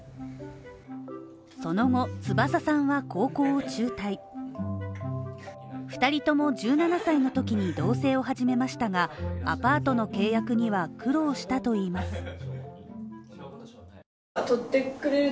その後翼さんは高校を中退２人とも１７歳の時に同棲を始めましたが、アパートの契約には苦労したといいます。